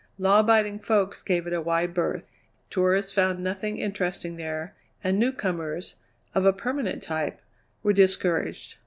Law abiding folks gave it a wide berth; tourists found nothing interesting there, and newcomers, of a permanent type, were discouraged.